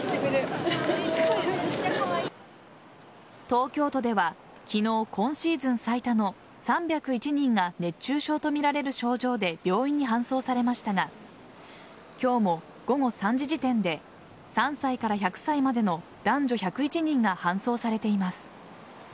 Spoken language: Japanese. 東京都では昨日今シーズン最多の３０１人が熱中症とみられる症状で病院に搬送されましたが今日も午後３時時点で３歳から１００歳までの男女１０１人が搬送されています。